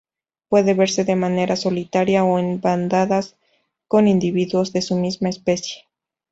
Puede verse de manera solitaria o en bandadas con individuos de su misma especie.